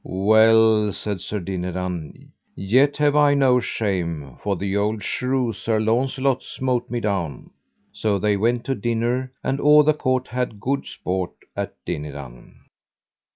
Well, said Sir Dinadan, yet have I no shame, for the old shrew, Sir Launcelot, smote me down. So they went to dinner, [and] all the court had good sport at Dinadan.